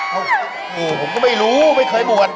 ผมก็ไม่รู้ไม่เคยบวช